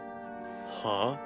はあ？